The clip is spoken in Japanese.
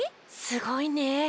すごいね。